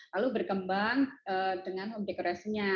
lalu berkembang dengan home dekorasinya